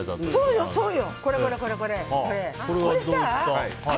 そうよ、そうよ。